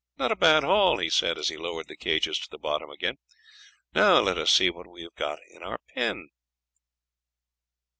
"Not a bad haul," he said as he lowered the cages to the bottom again. "Now let us see what we have got in our pen."